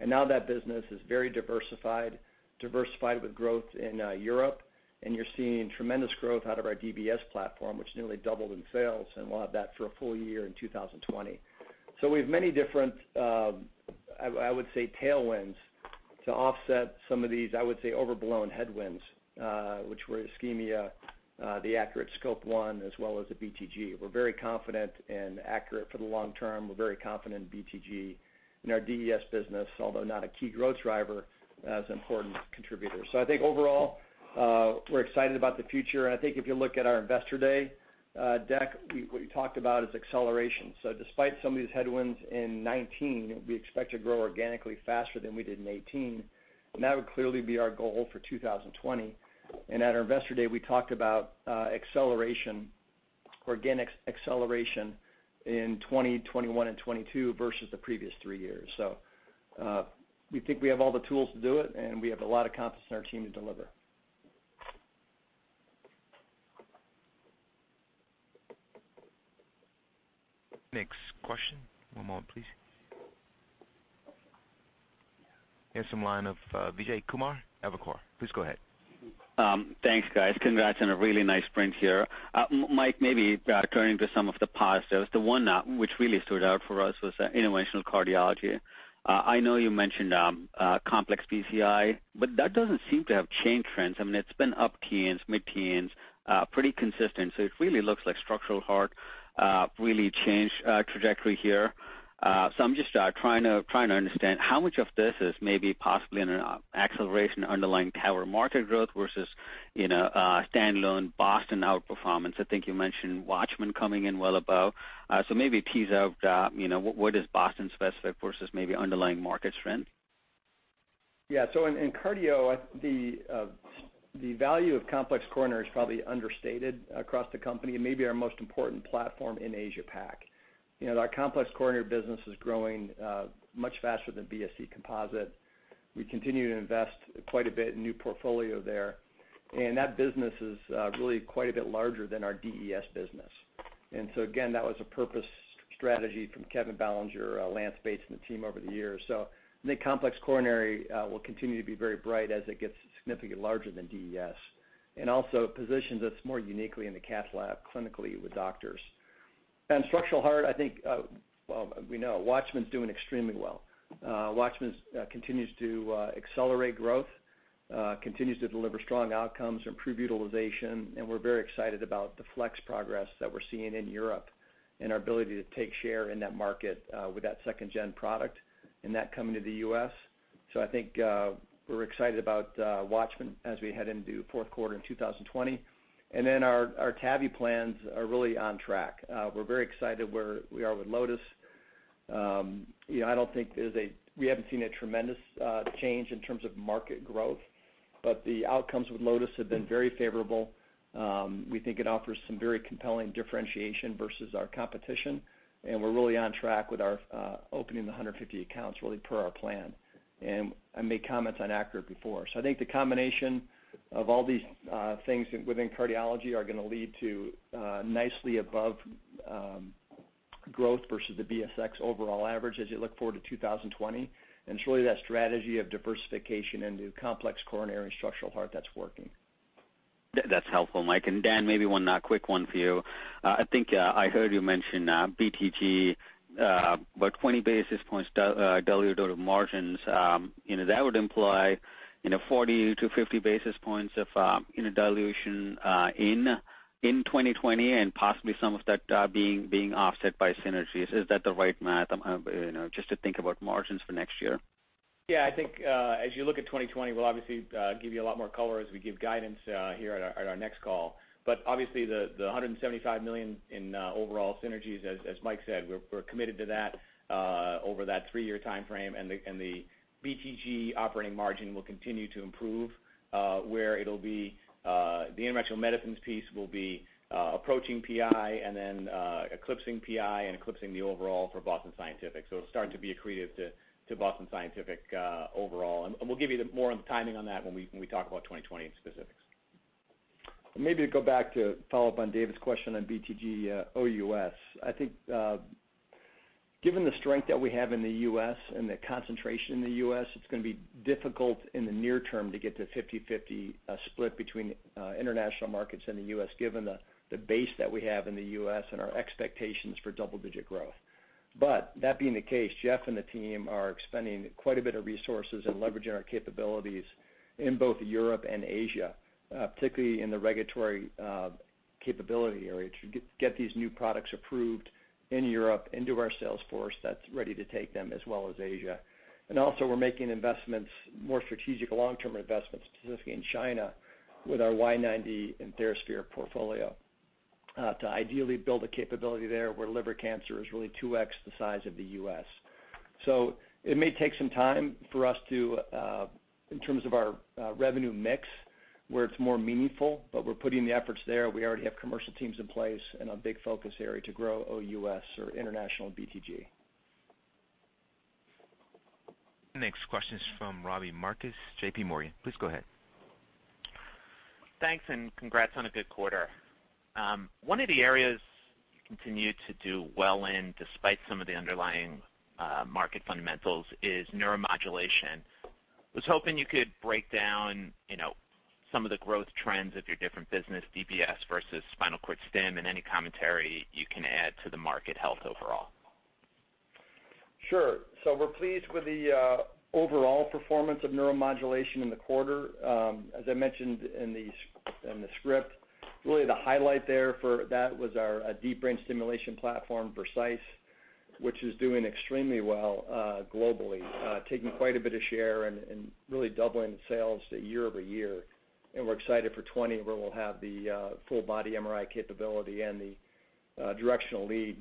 Now that business is very diversified with growth in Europe, and you're seeing tremendous growth out of our DBS platform, which nearly doubled in sales, and we'll have that for a full year in 2020. We have many different, I would say, tailwinds to offset some of these, I would say, overblown headwinds, which were ISCHEMIA, the ACURATE SCOPE I, as well as the BTG. We're very confident in ACURATE for the long term. We're very confident in BTG. Our DES business, although not a key growth driver, as an important contributor. I think overall, we're excited about the future, and I think if you look at our Investor Day deck, what we talked about is acceleration. Despite some of these headwinds in 2019, we expect to grow organically faster than we did in 2018, and that would clearly be our goal for 2020. At our Investor Day, we talked about acceleration, organic acceleration in 2020, 2021, and 2022 versus the previous three years. We think we have all the tools to do it, and we have a lot of confidence in our team to deliver. Next question. One moment, please. Here's some line of Vijay Kumar, Evercore. Please go ahead. Thanks, guys. Congrats on a really nice print here. Mike, maybe turning to some of the positives, the one which really stood out for us was Interventional Cardiology. I know you mentioned complex PCI, but that doesn't seem to have changed trends. It's been up teens, mid-teens, pretty consistent. It really looks like structural heart really changed trajectory here. I'm just trying to understand how much of this is maybe possibly an acceleration underlying TAVR market growth versus, standalone Boston outperformance? I think you mentioned WATCHMAN coming in well above. Maybe tease out what is Boston specific versus maybe underlying market trend? Yeah. In cardio, the value of complex coronary is probably understated across the company and maybe our most important platform in Asia PAC. Our complex coronary business is growing much faster than BSC composite. We continue to invest quite a bit in new portfolio there. That business is really quite a bit larger than our DES business. Again, that was a purpose strategy from Kevin Ballinger, Lance Bates, and the team over the years. I think complex coronary will continue to be very bright as it gets significantly larger than DES. Also positions us more uniquely in the cath lab clinically with doctors. Structural heart, I think, well, we know WATCHMAN's doing extremely well. WATCHMAN continues to accelerate growth, continues to deliver strong outcomes, improve utilization. We're very excited about the FLX progress that we're seeing in Europe and our ability to take share in that market with that second-gen product and that coming to the U.S. I think we're excited about WATCHMAN as we head into fourth quarter in 2020. Our TAVI plans are really on track. We're very excited where we are with LOTUS. We haven't seen a tremendous change in terms of market growth. The outcomes with LOTUS have been very favorable. We think it offers some very compelling differentiation versus our competition. We're really on track with our opening the 150 accounts really per our plan. I made comments on ACURATE before. I think the combination of all these things within cardiology are going to lead to nicely above growth versus the BSX overall average as you look forward to 2020. It's really that strategy of diversification into complex coronary and structural heart that's working. That's helpful, Mike. Dan, maybe one quick one for you. I think I heard you mention BTG, 20 basis points diluted out of margins. That would imply 40 to 50 basis points of dilution in 2020 and possibly some of that being offset by synergies. Is that the right math? Just to think about margins for next year. Yeah, I think as you look at 2020, we'll obviously give you a lot more color as we give guidance here at our next call. Obviously the $175 million in overall synergies, as Mike said, we're committed to that over that three-year timeframe, and the BTG operating margin will continue to improve where the interventional medicines piece will be approaching PI and then eclipsing PI and eclipsing the overall for Boston Scientific. It'll start to be accretive to Boston Scientific overall. We'll give you more on the timing on that when we talk about 2020 in specifics. Maybe to go back to follow up on David's question on BTG, OUS. I think, given the strength that we have in the U.S. and the concentration in the U.S., it's going to be difficult in the near term to get to 50-50 split between international markets and the U.S., given the base that we have in the U.S. and our expectations for double-digit growth. That being the case, Jeff and the team are expending quite a bit of resources and leveraging our capabilities in both Europe and Asia, particularly in the regulatory capability area, to get these new products approved in Europe into our sales force that's ready to take them, as well as Asia. Also, we're making more strategic long-term investments, specifically in China with our Y-90 and TheraSphere portfolio, to ideally build a capability there where liver cancer is really 2x the size of the U.S. It may take some time for us to, in terms of our revenue mix, where it's more meaningful, but we're putting the efforts there. We already have commercial teams in place and a big focus area to grow OUS or international BTG. Next question is from Robbie Marcus, JPMorgan. Please go ahead. Thanks. Congrats on a good quarter. One of the areas you continue to do well in, despite some of the underlying market fundamentals, is Neuromodulation. I was hoping you could break down some of the growth trends of your different business, DBS versus spinal cord stim, and any commentary you can add to the market health overall. Sure. We're pleased with the overall performance of Neuromodulation in the quarter. As I mentioned in the script, really the highlight there for that was our deep brain stimulation platform, Vercise, which is doing extremely well globally, taking quite a bit of share and really doubling sales year-over-year. We're excited for 2020, where we'll have the full body MRI capability and the directional lead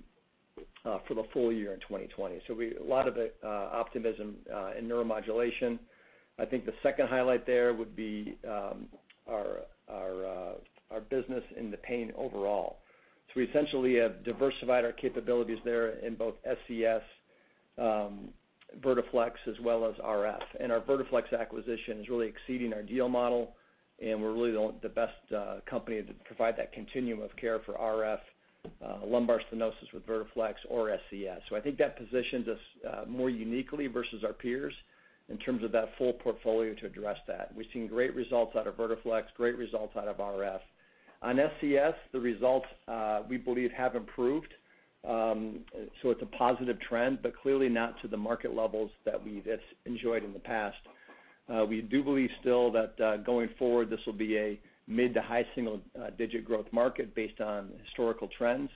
for the full year in 2020. A lot of optimism in Neuromodulation. I think the second highlight there would be our business in the pain overall. We essentially have diversified our capabilities there in both SCS, Vertiflex, as well as RF. Our Vertiflex acquisition is really exceeding our deal model, and we're really the best company to provide that continuum of care for RF, lumbar stenosis with Vertiflex or SCS. I think that positions us more uniquely versus our peers in terms of that full portfolio to address that. We've seen great results out of Vertiflex, great results out of RF. On SCS, the results, we believe, have improved. It's a positive trend, but clearly not to the market levels that we've enjoyed in the past. We do believe still that going forward, this will be a mid to high single-digit growth market based on historical trends.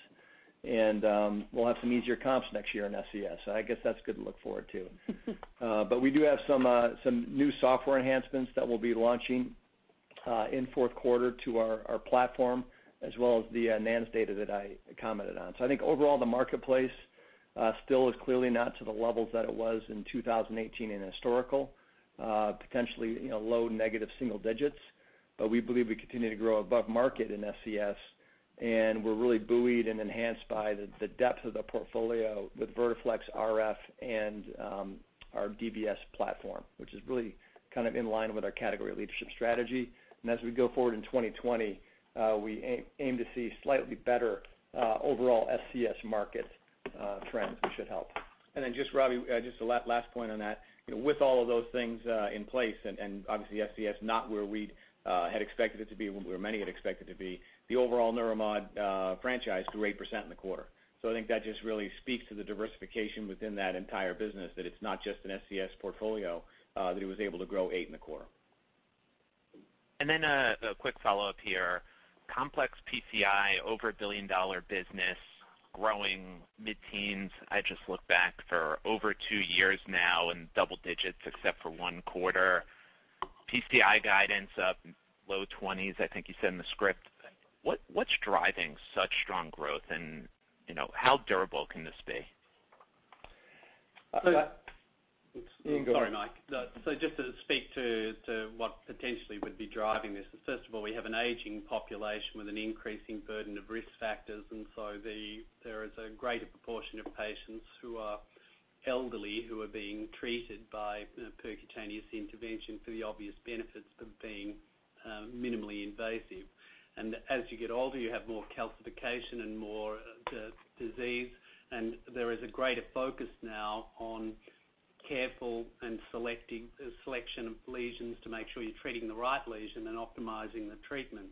We'll have some easier comps next year in SCS. I guess that's good to look forward to. We do have some new software enhancements that we'll be launching in fourth quarter to our platform, as well as the NANS data that I commented on. I think overall, the marketplace still is clearly not to the levels that it was in 2018 in historical, potentially low negative single digits. We believe we continue to grow above market in SCS, and we're really buoyed and enhanced by the depth of the portfolio with Vertiflex RF and our DBS platform, which is really kind of in line with our category leadership strategy. As we go forward in 2020, we aim to see slightly better overall SCS market trends, which should help. Then just, Robbie, just a last point on that. With all of those things in place, and obviously SCS not where we had expected it to be, where many had expected it to be, the overall Neuromodulation franchise grew 8% in the quarter. I think that just really speaks to the diversification within that entire business, that it's not just an SCS portfolio, that it was able to grow eight in the quarter. A quick follow-up here. Complex PCI, over a $1 billion business, growing mid-teens. I just looked back for over two years now in double digits except for one quarter. PCI guidance up low 20s, I think you said in the script. What's driving such strong growth, and how durable can this be? So- It's- You go ahead. Sorry, Mike. Just to speak to what potentially would be driving this is, first of all, we have an aging population with an increasing burden of risk factors, there is a greater proportion of patients who are elderly who are being treated by percutaneous intervention for the obvious benefits of being minimally invasive. As you get older, you have more calcification and more disease, there is a greater focus now on careful and selection of lesions to make sure you're treating the right lesion and optimizing the treatment.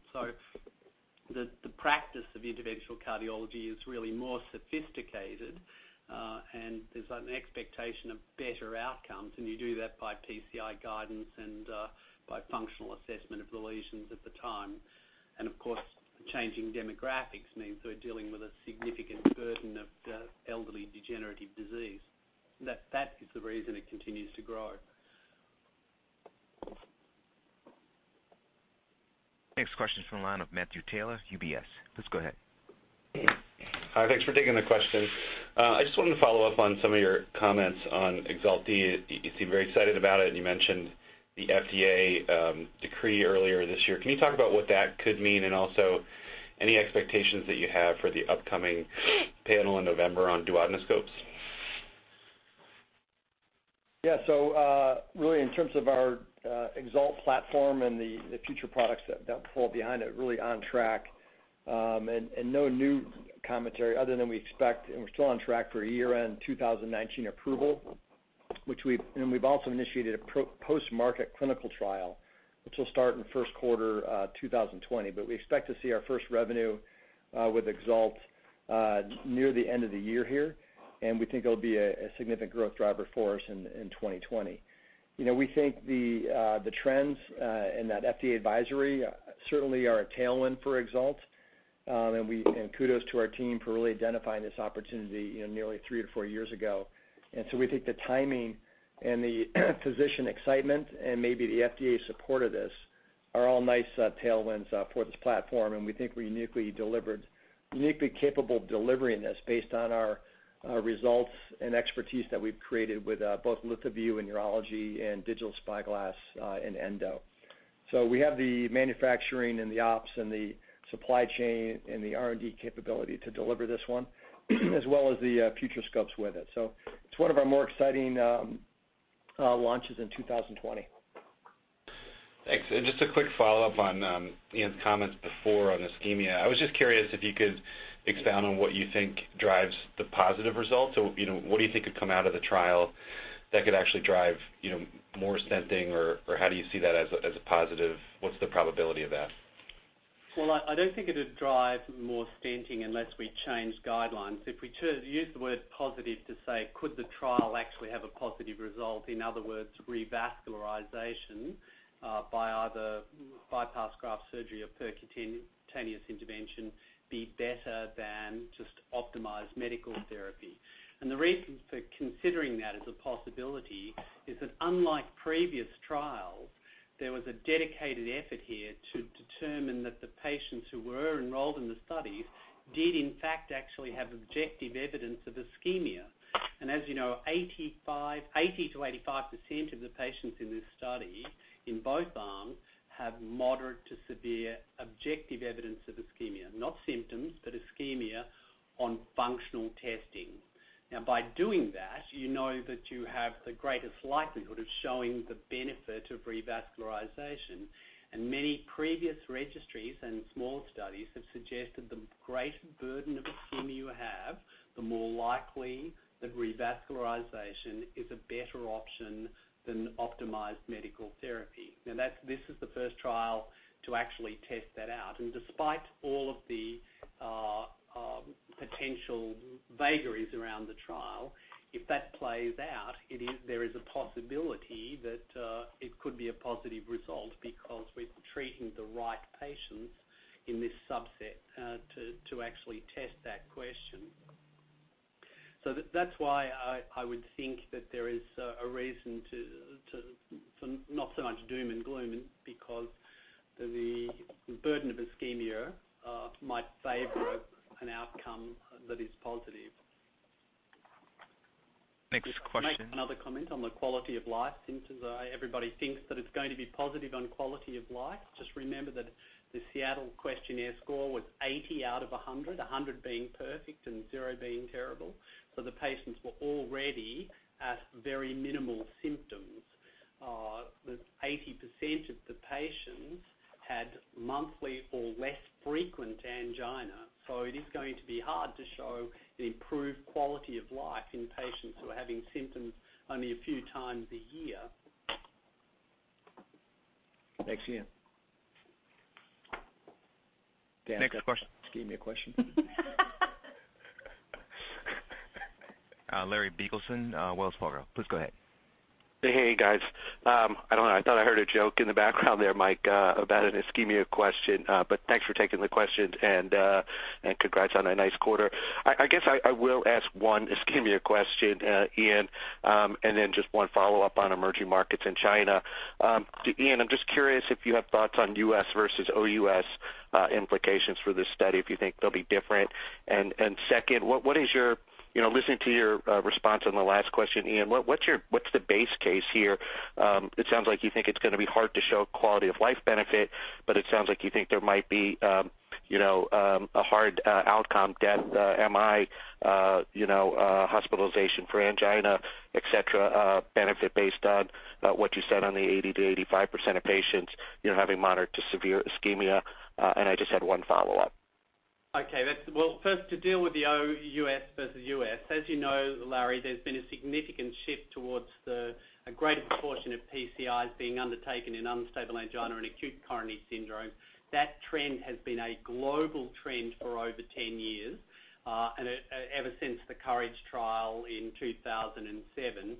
The practice of interventional cardiology is really more sophisticated, there's an expectation of better outcomes, and you do that by PCI guidance and by functional assessment of the lesions at the time. Of course, changing demographics means we're dealing with a significant burden of elderly degenerative disease. That is the reason it continues to grow. Next question's from the line of Matthew Taylor, UBS. Please go ahead. Hi, thanks for taking the question. I just wanted to follow up on some of your comments on EXALT. You seem very excited about it, and you mentioned the FDA decree earlier this year. Can you talk about what that could mean and also any expectations that you have for the upcoming panel in November on duodenoscopes? In terms of our EXALT platform and the future products that fall behind it, really on track. No new commentary other than we expect, and we're still on track for a year-end 2019 approval, and we've also initiated a post-market clinical trial, which will start in first quarter 2020. We expect to see our first revenue with EXALT near the end of the year here, and we think it'll be a significant growth driver for us in 2020. We think the trends and that FDA advisory certainly are a tailwind for EXALT. Kudos to our team for really identifying this opportunity nearly three to four years ago. We think the timing and the physician excitement and maybe the FDA support of this are all nice tailwinds for this platform, and we think we're uniquely capable of delivering this based on our results and expertise that we've created with both LithoVue in urology and Digital SpyGlass in endo. We have the manufacturing and the ops and the supply chain and the R&D capability to deliver this one, as well as the future scopes with it. It's one of our more exciting launches in 2020. Thanks. Just a quick follow-up on Ian's comments before on ISCHEMIA. I was just curious if you could expound on what you think drives the positive result. What do you think could come out of the trial that could actually drive more stenting, or how do you see that as a positive? What's the probability of that? Well, I don't think it'd drive more stenting unless we change guidelines. If we use the word positive to say, could the trial actually have a positive result, in other words, revascularization, by either bypass graft surgery or percutaneous intervention, be better than just optimized medical therapy. The reason for considering that as a possibility is that unlike previous trials, there was a dedicated effort here to determine that the patients who were enrolled in the study did in fact actually have objective evidence of ischemia. As you know, 80%-85% of the patients in this study, in both arms, have moderate to severe objective evidence of ischemia. Not symptoms, but ischemia on functional testing. Now, by doing that, you know that you have the greatest likelihood of showing the benefit of revascularization. Many previous registries and small studies have suggested the greater burden of ischemia you have, the more likely that revascularization is a better option than optimized medical therapy. This is the first trial to actually test that out. Despite all of the potential vagaries around the trial, if that plays out, there is a possibility that it could be a positive result because we're treating the right patients in this subset, to actually test that question. That's why I would think that there is a reason to, not so much doom and gloom, because the burden of ischemia might favor an outcome that is positive. Next question. Just to make another comment on the quality of life, since everybody thinks that it's going to be positive on quality of life, just remember that the Seattle Angina Questionnaire score was 80 out of 100. 100 being perfect and zero being terrible. The patients were already at very minimal symptoms. 80% of the patients had monthly or less frequent angina, so it is going to be hard to show the improved quality of life in patients who are having symptoms only a few times a year. Thanks, Ian. Dan. Next question. Give me a question. Larry Biegelsen, Wells Fargo. Please go ahead. Hey, guys. I don't know. I thought I heard a joke in the background there, Mike, about an ISCHEMIA question. Thanks for taking the questions, and congrats on a nice quarter. I guess I will ask one ISCHEMIA question, Ian, and then just one follow-up on emerging markets in China. Ian, I'm just curious if you have thoughts on U.S. versus OUS implications for this study, if you think they'll be different. Second, listening to your response on the last question, Ian, what's the base case here? It sounds like you think it's going to be hard to show quality-of-life benefit, but it sounds like you think there might be a hard outcome death, MI, hospitalization for angina, et cetera, benefit based on what you said on the 80%-85% of patients having moderate to severe ISCHEMIA. I just had one follow-up. Okay. Well, first, to deal with the OUS versus U.S., as you know, Larry, there's been a significant shift towards a greater proportion of PCIs being undertaken in unstable angina and acute coronary syndrome. That trend has been a global trend for over 10 years, ever since the COURAGE trial in 2007.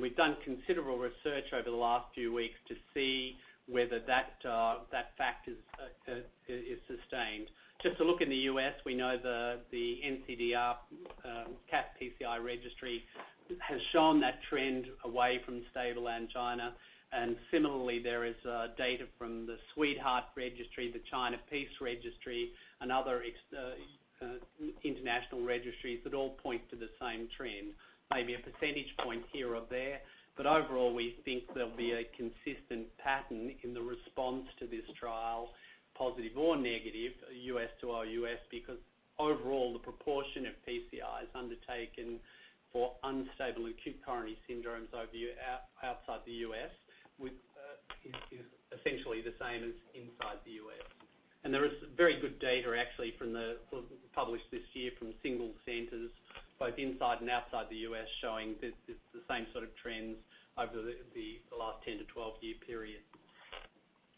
We've done considerable research over the last few weeks to see whether that fact is sustained. Just to look in the U.S., we know the NCDR CathPCI Registry has shown that trend away from stable angina. Similarly, there is data from the SWEDEHEART registry, the China PEACE registry, and other international registries that all point to the same trend. Maybe a percentage point here or there, overall, we think there'll be a consistent pattern in the response to this trial, positive or negative, U.S. to OUS, because overall, the proportion of PCIs undertaken for unstable acute coronary syndromes outside the U.S. is essentially the same as inside the U.S. There is very good data, actually, published this year from single centers both inside and outside the U.S. showing the same sort of trends over the last 10- to 12-year period.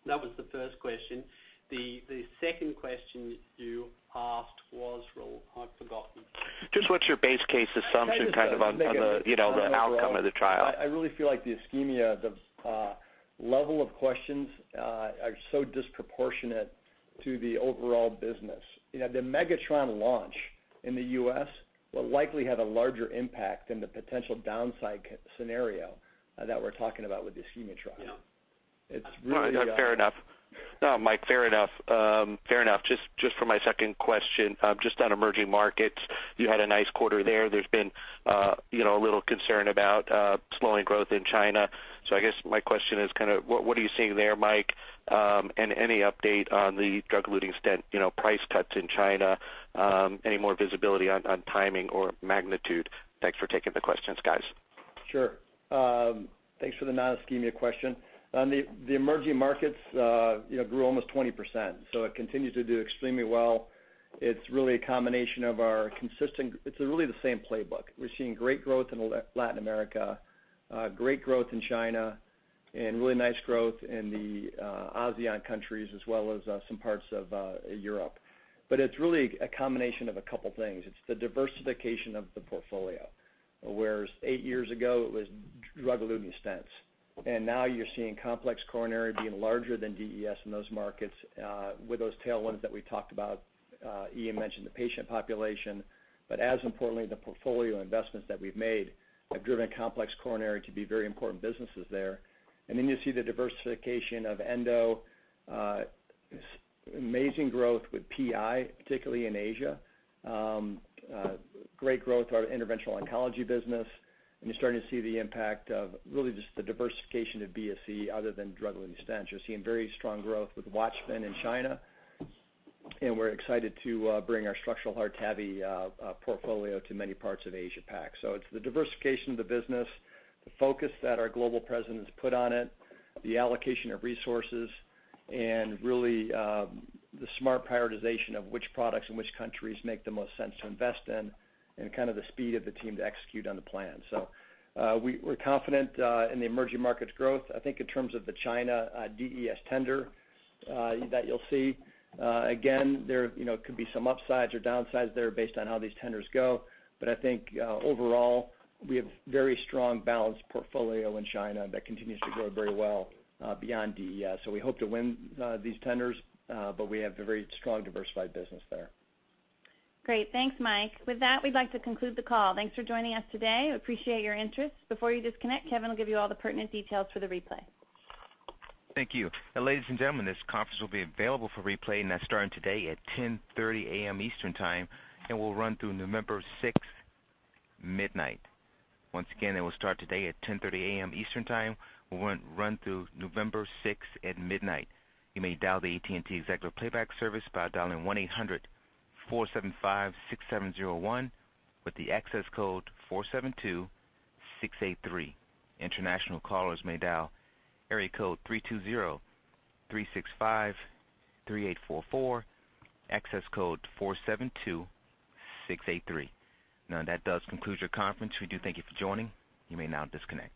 That was the first question. The second question you asked was, Raul, I've forgotten. Just what's your base case assumption kind of on the outcome of the trial? I really feel like the ISCHEMIA, the level of questions are so disproportionate to the overall business. The MEGATRON launch in the U.S. will likely have a larger impact than the potential downside scenario that we're talking about with the ISCHEMIA trial. Yeah. Fair enough. Mike, fair enough. Just for my second question, just on emerging markets, you had a nice quarter there. There's been a little concern about slowing growth in China. I guess my question is kind of, what are you seeing there, Mike? Any update on the drug-eluting stent price cuts in China? Any more visibility on timing or magnitude? Thanks for taking the questions, guys. Sure. Thanks for the non-ISCHEMIA question. The emerging markets grew almost 20%. It continued to do extremely well. It's really the same playbook. We're seeing great growth in Latin America, great growth in China, and really nice growth in the ASEAN countries as well as some parts of Europe. It's really a combination of a couple things. It's the diversification of the portfolio. Whereas 8 years ago, it was drug-eluting stents, and now you're seeing complex coronary being larger than DES in those markets with those tailwinds that we talked about. Ian mentioned the patient population. As importantly, the portfolio investments that we've made have driven complex coronary to be very important businesses there. You see the diversification of endo, amazing growth with PI, particularly in Asia, great growth, our interventional oncology business, and you're starting to see the impact of really just the diversification of BSC other than drug-eluting stents. You're seeing very strong growth with WATCHMAN in China, and we're excited to bring our structural heart heavy portfolio to many parts of Asia Pac. It's the diversification of the business, the focus that our global presence put on it, the allocation of resources, and really the smart prioritization of which products in which countries make the most sense to invest in and kind of the speed of the team to execute on the plan. We're confident in the emerging markets growth. I think in terms of the China DES tender that you'll see. Again, there could be some upsides or downsides there based on how these tenders go. I think overall, we have very strong balanced portfolio in China that continues to grow very well beyond DES. We hope to win these tenders, but we have a very strong diversified business there. Great. Thanks, Mike. With that, we'd like to conclude the call. Thanks for joining us today. We appreciate your interest. Before you disconnect, Kevin will give you all the pertinent details for the replay. Thank you. Ladies and gentlemen, this conference will be available for replay, starting today at 10:30 A.M. Eastern Time and will run through November 6th, midnight. Once again, it will start today at 10:30 A.M. Eastern Time, will run through November 6th at midnight. You may dial the AT&T Executive Playback service by dialing 1-800-475-6701 with the access code 472683. International callers may dial area code 320-365-3844, access code 472683. That does conclude your conference. We do thank you for joining. You may now disconnect.